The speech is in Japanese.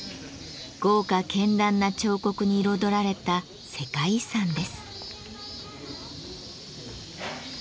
豪華けんらんな彫刻に彩られた世界遺産です。